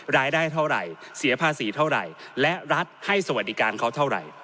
รายได้เท่าไหร่เสียภาษีเท่าไหร่และรัฐให้สวัสดิการเขาเท่าไหร่